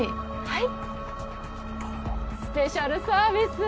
はいスペシャルサービス。